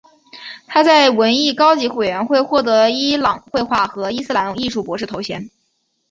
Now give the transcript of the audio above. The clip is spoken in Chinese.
他在文艺高级委员会获得了伊朗绘画和伊斯兰艺术博士头衔。